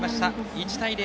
１対０。